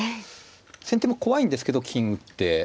先手も怖いんですけど金打って。